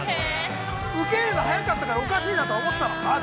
受け入れるの早かったから、おかしいなと思ったんだ。